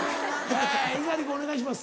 猪狩君お願いします。